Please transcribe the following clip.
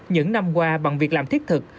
những năm qua bằng việc làm thiết thực